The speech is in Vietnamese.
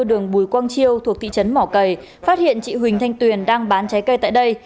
đường bùi quang chiêu thuộc thị trấn mỏ cầy phát hiện chị huỳnh thanh tuyền đang bán trái cây tại đây